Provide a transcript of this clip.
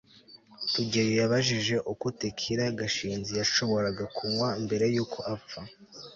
rugeyo yibajije uko tequila gashinzi yashoboraga kunywa mbere yuko apfa